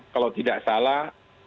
kalau tidak salah